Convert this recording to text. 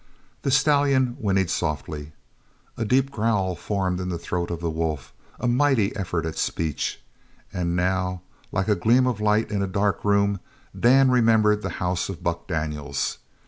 The stallion whinnied softly. A deep growl formed in the throat of the wolf, a mighty effort at speech. And now, like a gleam of light in a dark room, Dan remembered the house of Buck Daniels.